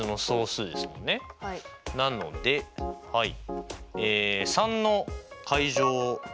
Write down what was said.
なのではい。